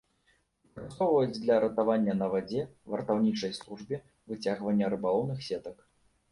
Выкарыстоўваюць для ратавання на вадзе, вартаўнічай службе, выцягвання рыбалоўных сетак.